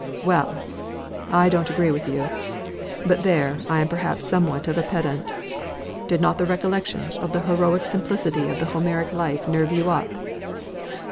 "Well! I don't agree with you. But there I am perhaps somewhat of a pedant. Did not the recollection of the heroic simplicity of the Homeric life nerve you up?"